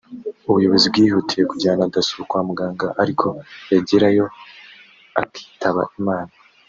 ubuyobozi bwihutiye kujyana Dasso kwa muganga ariko yagerayo akitaba Imana